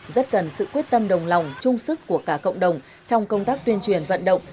rất cần sự quyết tâm đồng lòng trung sức của cả cộng đồng trong công tác tuyên truyền vận động